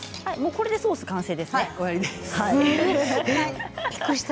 これでソースが完成ですね。